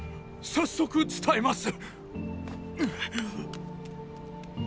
早速伝えます！